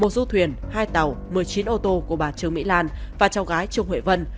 một du thuyền hai tàu một mươi chín ô tô của bà trương mỹ lan và cháu gái trung huệ vân